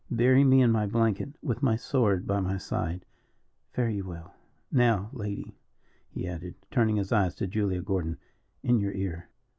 Bury me in my blanket with my sword by my side. Fare you well. Now, lady," he added, turning his eyes to Julia Gordon, "in your ear.